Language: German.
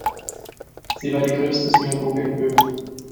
Sie war die größte Synagoge in Böhmen.